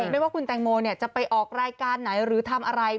ไม่ว่าคุณแตงโมจะไปออกรายการไหนหรือทำอะไร